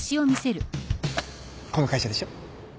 この会社でしょ？